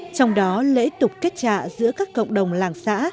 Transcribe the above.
trong đó lễ tục kết trại giữa các cộng đồng làng xã